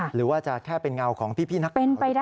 หรือว่าจะแค่เป็นเงาของพี่นักข่าวหรือเปล่า